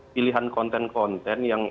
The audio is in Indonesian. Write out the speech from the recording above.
pilihan konten konten yang